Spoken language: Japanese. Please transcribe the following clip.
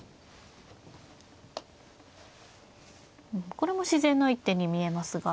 これも自然の一手に見えますが。